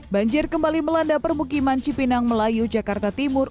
banjir kembali melanda permukiman cipinang melayu jakarta timur